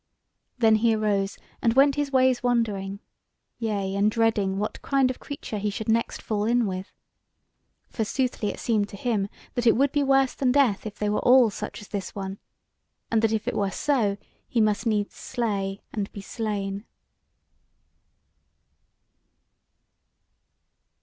Then he arose and went his ways wondering, yea and dreading, what kind of creature he should next fall in with. For soothly it seemed to him that it would be worse than death if they were all such as this one; and that if it were so, he must needs slay and be slain.